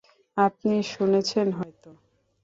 আপনি শুনেছেন হয়ত?